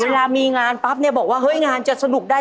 เวลามีงานปั๊บเนี่ยบอกว่าเฮ้ยงานจะสนุกได้